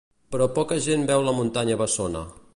Però poca gent veu la muntanya bessona.